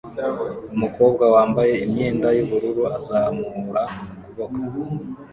Umukobwa wambaye imyenda yubururu azamura ukuboko